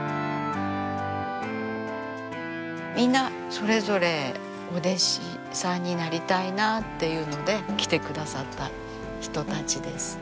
みんなそれぞれお弟子さんになりたいなっていうので来てくださった人たちです。